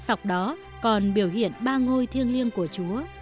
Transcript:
sọc đó còn biểu hiện ba ngôi thiêng liêng của chúa